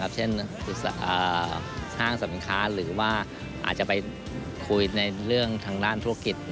เช่นห้างสรรพสินค้าหรือว่าอาจจะไปคุยในเรื่องทางด้านธุรกิจ